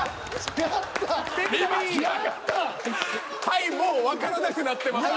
はいもうわからなくなってます